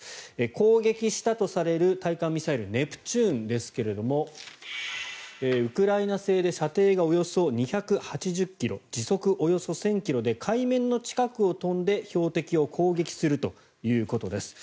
攻撃したとされる対艦ミサイルネプチューンですがウクライナ製で射程がおよそ２８０ｋｍ時速およそ１０００ｋｍで海面の近くを飛んで標的を攻撃するということです。